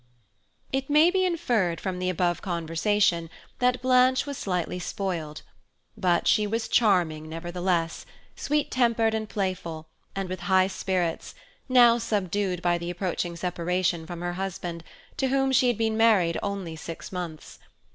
It may be inferred from the above conversation that Blanche was slightly spoiled, but she was charming, nevertheless–sweet tempered and playful, and with high spirits, now subdued by the approaching separation from her husband, to whom she had been married only six months.